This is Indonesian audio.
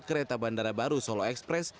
kereta bandara baru solo express